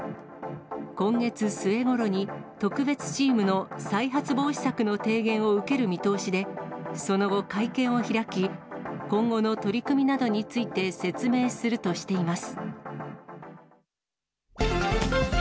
今月末ごろに特別チームの再発防止策の提言を受ける見通しで、その後、会見を開き、今後の取り組みなどについて説明するとしています。